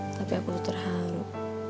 tapi aku tuh terharu